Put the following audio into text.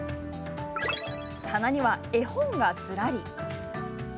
棚には絵本がずらり。